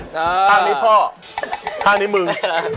ทางนี้พ่อทางนี้มึง